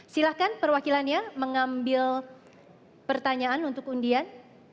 silahkan perwakilannya mengambil pertanyaan untuk undian